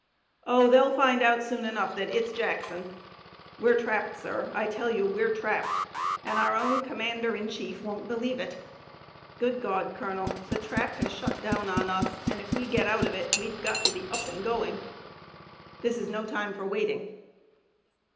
Oh, they'll find out soon enough that it's Jackson. We're trapped, sir! I tell you we're trapped, and our own commander in chief won't believe it. Good God, Colonel, the trap has shut down on us and if we get out of it we've got to be up and doing! This is no time for waiting!"